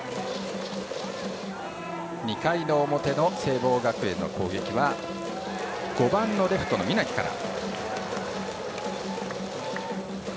２回の表聖望学園の攻撃は５番のレフトの双木から。